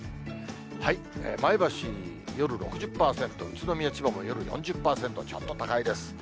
前橋、夜６０％、宇都宮、千葉も夜４０％、ちょっと高いです。